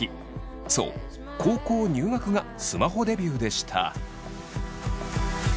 そう高校入学がスマホデビューでした。